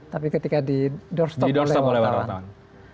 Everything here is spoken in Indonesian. tapi ketika di doorstop oleh wartawan